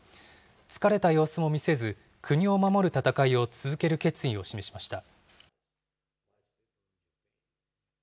疲れた様子も見せず、国を守る戦いを続ける決意を示しました。